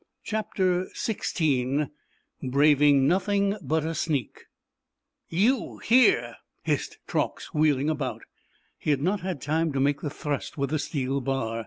CHAPTER XVI: BRAVING NOTHING BUT A SNEAK "You—here?" hissed Truax, wheeling about. He had not had time to make the thrust with the steel bar.